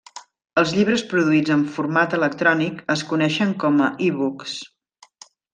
Els llibres produïts en format electrònic es coneixen com a e-books.